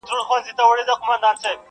ډېري مو وکړې د تاریخ او د ننګونو کیسې.